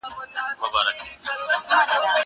زه پرون درسونه واورېدل!!